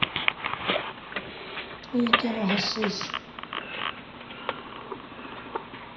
তুই কেনো হাসছিস?